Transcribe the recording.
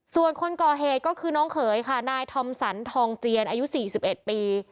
ส่วนคนก่อเหตุก็คือน้องเขยค่ะนายทอมสันทองเจียนอายุ๔๑ปี